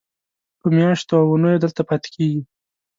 په میاشتو او اوونیو دلته پاتې کېږي.